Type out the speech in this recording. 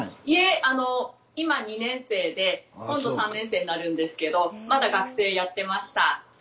いえあの今２年生で今度３年生になるんですけどまだ学生やってました。